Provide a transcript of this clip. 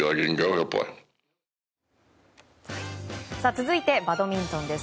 続いてバドミントンです。